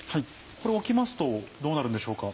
これ置きますとどうなるんでしょうか？